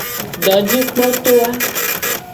Dojikpoto a.